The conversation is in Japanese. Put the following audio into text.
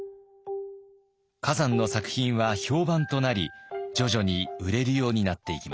崋山の作品は評判となり徐々に売れるようになっていきます。